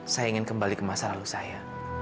saya ingin kembali ke masa lalu saya